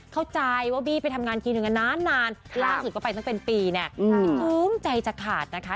เข้าใจว่าบี้ไปทำงานทีหนึ่งกันนานล่าสุดก็ไปตั้งเป็นปีเนี่ยคิดถึงใจจะขาดนะคะ